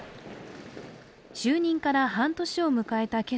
就任から半年を迎えた